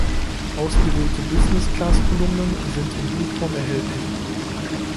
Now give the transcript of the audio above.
Ausgewählte "Business-Class"-Kolumnen sind in Buchform erhältlich.